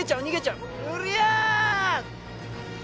うりゃ！